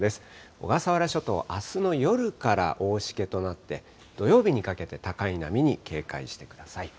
小笠原諸島、あすの夜から大しけとなって、土曜日にかけて高い波に警戒してください。